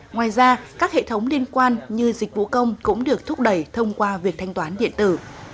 ngoài ra các hệ thống liên quan như dịch vụ công cũng được thúc đẩy thông qua việc thanh toán điện tử